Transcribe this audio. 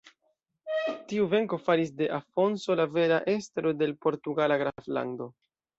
Tiu venko faris de Afonso la vera estro de l' portugala graflando.